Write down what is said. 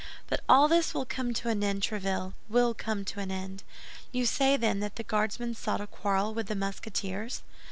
But all this will come to an end, Tréville, will come to an end. You say, then, that the Guardsmen sought a quarrel with the Musketeers?"